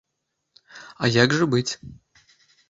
А як жа быць?